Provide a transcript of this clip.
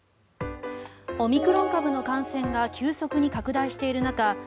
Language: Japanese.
オミクロン株の感染が急速に拡大している中